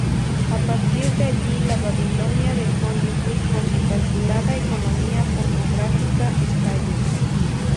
A partir de allí, la Babilonia de Hollywood con su calculada economía pornográfica estalla.